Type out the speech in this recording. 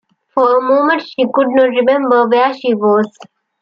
For a moment she could not remember where she was.